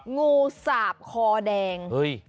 งูสาบคอแดง